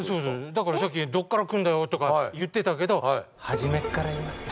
だからさっき「どっから来るんだよ」とか言ってたけど初めっからいます。